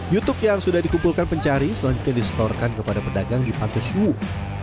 youtube yang sudah dikumpulkan pencari selanjutnya disetorkan kepada pedagang di pansus subuh